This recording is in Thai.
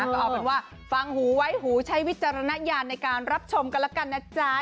ก็เอาเป็นว่าฟังหูไว้หูใช้วิจารณญาณในการรับชมกันแล้วกันนะจ๊ะ